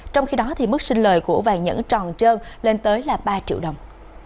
trong khi đó mức sinh lời của vàng nhẫn tròn trơn lên tới là ba triệu đồng